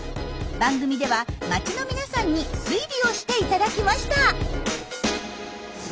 番組では街の皆さんに推理をしていただきました。